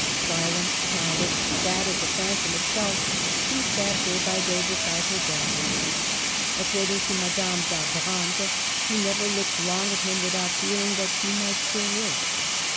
Silent, pallid, sad as a phantom itself, he sat day by day beside her bed. According to Madame d' Abrantes, she never looked long at him without feeling that she might still live.